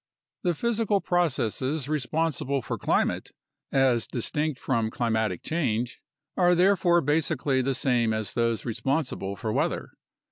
The physical processes responsible for climate (as distinct from climatic change) are therefore basically the same as those responsible for weather.